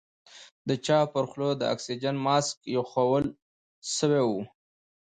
د چا پر خوله د اکسيجن ماسک ايښوول سوى و.